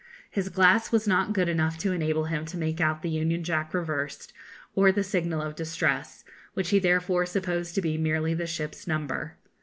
His glass was not good enough to enable him to make out the union jack reversed, or the signal of distress, which he therefore supposed to be merely the ship's number.